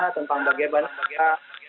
tentang bagaimana kita